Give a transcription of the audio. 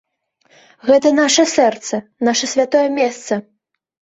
Гэта наша сэрца, наша святое месца!